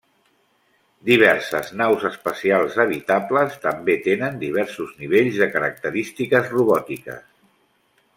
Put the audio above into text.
Diverses naus espacials habitables també tenen diversos nivells de característiques robòtiques.